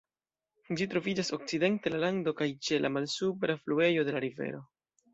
Ĝi troviĝas okcidente la lando kaj ĉe la malsupra fluejo de la rivero.